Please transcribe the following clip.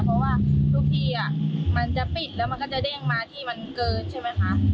เพราะว่าทุกทีมันจะปิดแล้วมันก็จะเด้งมาที่มันเกินใช่ไหมคะ